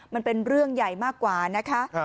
มันเป็นเรื่องใหญ่มากกว่านะคะ